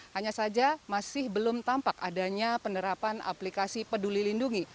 hanya saja masih belum tampak adanya penerapan aplikasi peduli lindungi